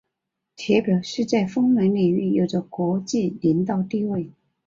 特别是在风能领域有着国际领导地位。